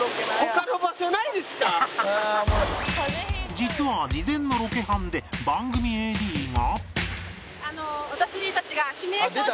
実は事前のロケハンで番組 ＡＤ が